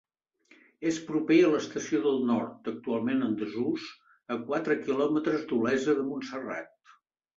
És proper a l'estació del Nord, actualment en desús, a quatre quilòmetres d'Olesa de Montserrat.